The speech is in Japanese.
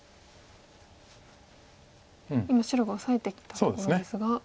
今白がオサえてきたところですが。